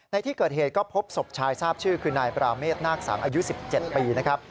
ในที่เกิดเหตุก็พบศพชายทราบชื่อคือนายปราเมฆนาคสังอายุ๑๗ปีนะครับ